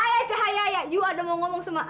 ayah cahaya ayah yuk ada mau ngomong sama ayah